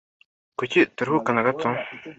kuki utaruhuka na gato